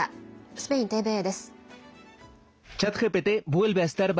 スペインＴＶＥです。